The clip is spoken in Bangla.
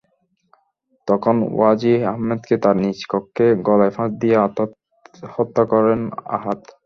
তখন ওয়াজি আহমেদকে তাঁর নিজ কক্ষে গলায় ফাঁস দিয়ে হত্যা করেন আহাদ।